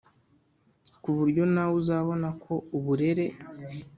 kuburyo nawe uzabona ko uburere